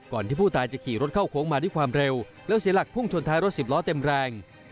ที่ผู้ตายจะขี่รถเข้าโค้งมาด้วยความเร็วแล้วเสียหลักพุ่งชนท้ายรถสิบล้อเต็มแรง